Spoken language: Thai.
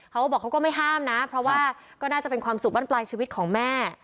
เขาก็บอกเขาก็ไม่ห้ามนะเพราะว่าก็น่าจะเป็นความสุขบ้านปลายชีวิตของแม่